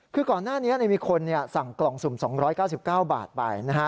คือก่อนหน้านี้มีคนสั่งกล่องสุ่ม๒๙๙บาทไปนะฮะ